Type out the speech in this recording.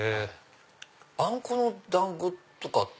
あんこの団子とかって。